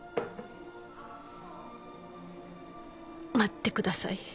待ってください